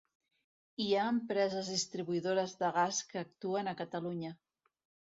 Hi ha Empreses Distribuïdores de Gas que actuen a Catalunya.